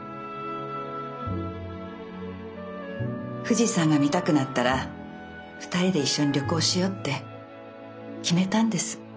富士山が見たくなったら二人で一緒に旅行しようって決めたんです。